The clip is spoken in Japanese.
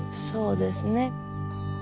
そうですね。